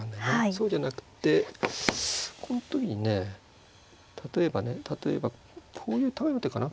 そうじゃなくてこの時にね例えばね例えばこういう類いの手かな。